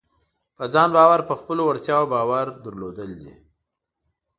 په ځان باور په خپلو وړتیاوو باور لرل دي.